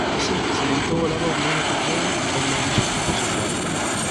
Así, salientou o labor na área cultural ou na de xustiza social.